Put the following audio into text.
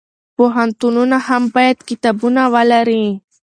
پوهنتونونه هم باید کتابتونونه ولري.